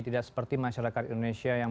tidak seperti masyarakat indonesia yang